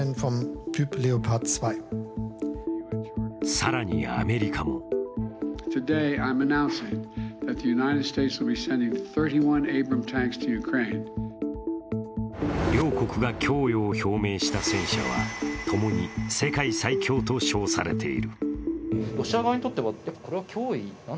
更にアメリカも両国が供与を表明した戦車は、ともに世界最強と称されている。